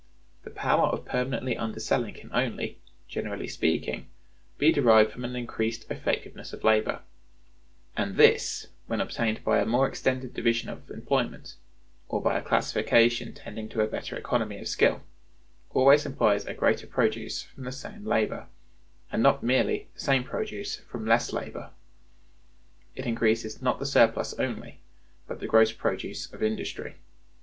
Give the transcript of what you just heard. The power of permanently underselling can only, generally speaking, be derived from increased effectiveness of labor; and this, when obtained by a more extended division of employment, or by a classification tending to a better economy of skill, always implies a greater produce from the same labor, and not merely the same produce from less labor; it increases not the surplus only, but the gross produce of industry.